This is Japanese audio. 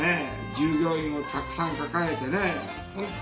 従業員をたくさん抱えてね本当